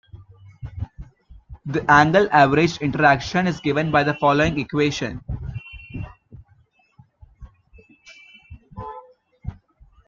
The angle averaged interaction is given by the following equation.